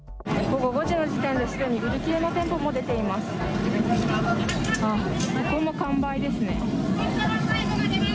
午後５時の時点ですでに売り切れの店舗も出ています。